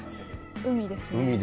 海ですね。